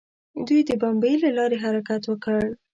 دوی د بمیي له لارې حرکت وکړ.